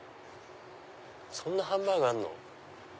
そんなハンバーガーあるの？